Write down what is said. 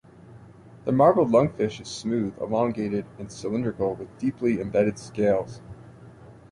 The marbled lungfish is smooth, elongated, and cylindrical with deeply embedded scales.